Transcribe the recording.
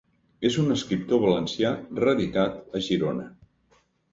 És un escriptor valencià radicat a Girona.